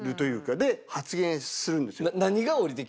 で発言するんですよ。